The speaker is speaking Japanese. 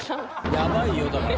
やばいよだから。